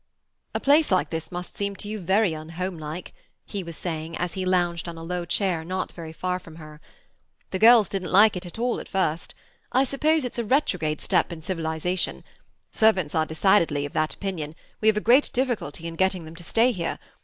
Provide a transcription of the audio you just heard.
"A place like this must seem to you to be very unhomelike," he was saying, as he lounged on a low chair not very far from her. "The girls didn't like it at all at first. I suppose it's a retrograde step in civilization. Servants are decidedly of that opinion; we have a great difficulty in getting them to stay here.